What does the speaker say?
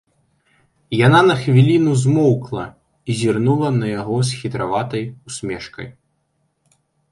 Яна на хвіліну змоўкла і зірнула на яго з хітраватай усмешкай.